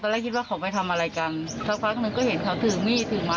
แรกคิดว่าเขาไปทำอะไรกันสักพักหนึ่งก็เห็นเขาถือมีดถือไม้